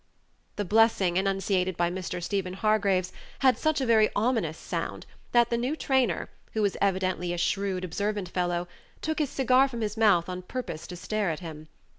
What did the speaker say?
The blessing enunciated by Mr. Stephen Hargraves had such a very ominous sound that the new trainer, who was evidently a shrewd, observant fellow, took his cigar from his mouth on purpose to stare at him.